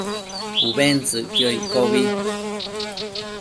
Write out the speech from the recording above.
Ubentsëcquio iccobi